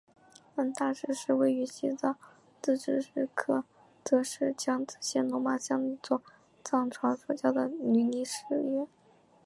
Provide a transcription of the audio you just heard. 恩达寺是位于西藏自治区日喀则市江孜县龙马乡的一座藏传佛教的女尼寺院。